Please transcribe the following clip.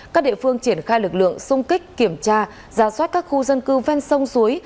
các địa phương triển khai lực lượng sung kích kiểm tra ra soát các khu dân cư ven sông suối